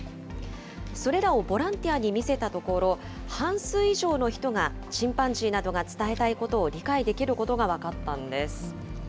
それらをボランティアに見せたところ、半数以上の人がチンパンジーなどが伝えたいことを理解できることが分かったんです。